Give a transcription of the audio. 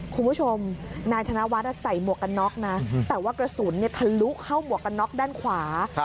คุณผู้ชมนายธนวัฒน์ใส่หมวกกันน็อกนะแต่ว่ากระสุนทะลุเข้าหมวกกันน็อกด้านขวา